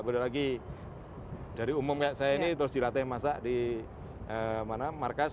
boleh lagi dari umum kayak saya ini terus dilatih masak di mana markas